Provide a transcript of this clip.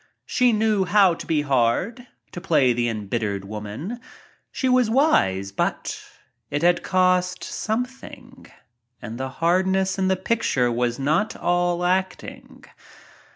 She knew how to be hard — to play the embittered woman. She was wise but — it had cost something and the hardness in the picture was not all acting.